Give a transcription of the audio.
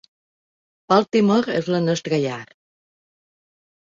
Baltimore és la nostra llar.